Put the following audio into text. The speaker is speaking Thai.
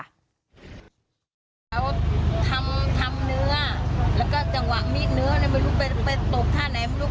มันโดนตรงเส้นเลือดตรงแง่มพอดีไง